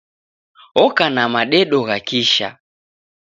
Oka na madedo gha kisha.